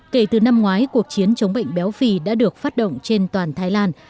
kể từ năm ngoái cuộc chiến chống bệnh béo phì đã được phát động trên toàn thái lan